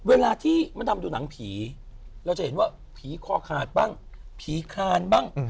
เวลาที่มดดำดูหนังผีเราจะเห็นว่าผีคอขาดบ้างผีคลานบ้าง